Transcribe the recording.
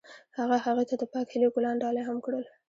هغه هغې ته د پاک هیلې ګلان ډالۍ هم کړل.